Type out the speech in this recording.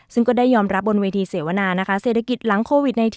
ซึ่งก็ได้ยอมรับบนเวทีเสวนานะคะเศรษฐกิจหลังโควิด๑๙